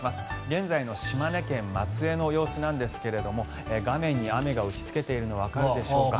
現在の島根県松江の様子なんですが画面に雨が打ちつけているのがわかるでしょうか。